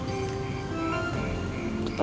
anak udah besar